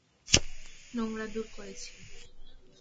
নোংরা দূর করেছি।